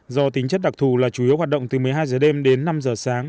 do tính chất đặc thù là chủ yếu hoạt động từ một mươi hai giờ đêm đến năm giờ sáng